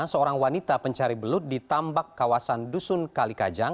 seorang wanita pencari belut di tambak kawasan dusun kalikajang